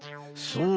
そう。